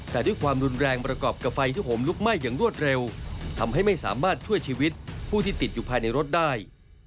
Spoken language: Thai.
แต่ด้วยความรุนแรงประกอบกับไฟที่ห่มลุกไหม้อย่างรวดเร็วทำให้ไม่สามารถช่วยชีวิตผู้ที่ติดอยู่ภายในรถได้